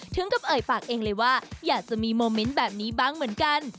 ถึงกับเอ่ยปากเองเลยว่าอยากจะมีโมเมนต์แบบนี้บ้างเหมือนกัน